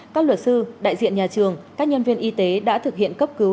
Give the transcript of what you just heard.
các luật sư đại diện nhà trường các nhân viên y tế đã thực hiện cấp cứu